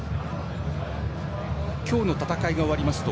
今日の戦いが終わりますと